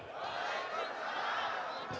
wa alaikum salam